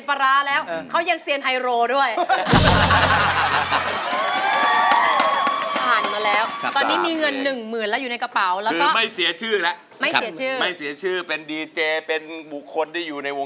ปลาก็ดีอันนี้มีหนอนแล้ว